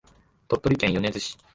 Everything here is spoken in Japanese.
鳥取県米子市